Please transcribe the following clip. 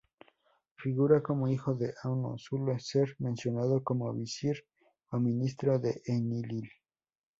Figura como hijo de Anu, suele ser mencionado como visir o ministro de Enlil.